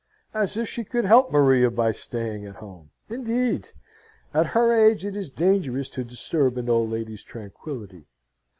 As if she could help Maria by staying at home, indeed! At her age, it is dangerous to disturb an old lady's tranquillity.